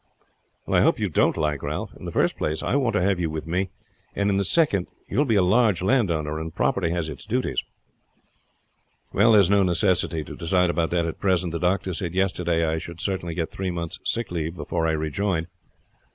"I hope you won't like, Ralph. In the first place I want to have you with me; and in the second, you will be a large landowner, and property has its duties." "Well, there is no necessity to decide about that at present. The doctor said yesterday I should certainly get three months' sick leave before I rejoined.